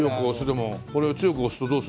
これ強く押すとどうすんの？